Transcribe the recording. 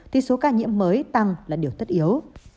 thì số ca nhiễm mới tăng là điều tất yếu